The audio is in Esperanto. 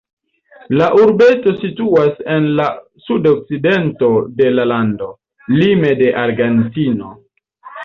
La urbeto situas en la sudokcidento de la lando, lime de Argentino.